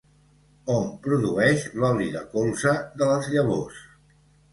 Hom produeix l'oli de colza de les llavors.